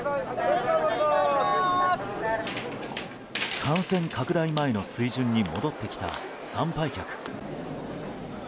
感染拡大前の水準に戻ってきた参拝客。